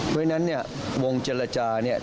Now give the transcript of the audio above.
เพราะฉะนั้นวงเจรจา